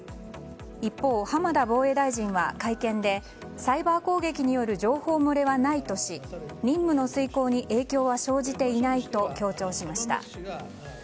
一方、浜田防衛大臣は会見でサイバー攻撃による情報漏れはないとし任務の遂行に影響は生じていないと強調しました。